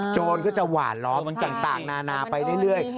โจรก็จะหวานล้อมต่างนานาไปเรื่อย